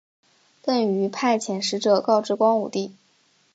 邓禹派遣使者告知光武帝。